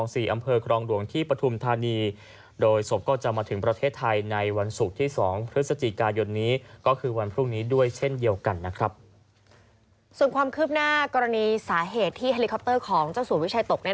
ส่วนความคืบหน้ากรณีสาเหตุที่เฮลิคอปเตอร์ของเจ้าสัววิชัยตก